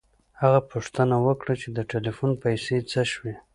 هغه پوښتنه وکړه چې د ټیلیفون پیسې څه شوې